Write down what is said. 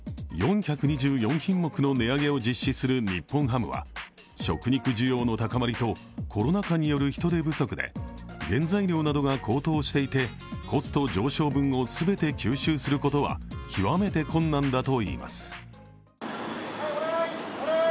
４２４品目の値上げを実施する日本ハムは食肉需要の高まりとコロナ禍による人手不足で、原材料などが高騰していてコスト上昇分を全て吸収することは極めて困難だといいます。